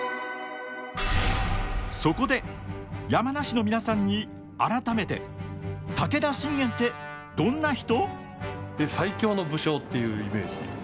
そこで山梨の皆さんに改めて武田信玄ってどんな人？